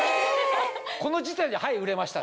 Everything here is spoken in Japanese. この時点ではい売れました！